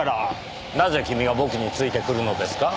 なぜ君が僕についてくるのですか？